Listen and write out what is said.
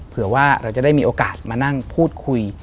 เผื่อว่าเราจะได้มีโอกาสมานั่งพูดคุย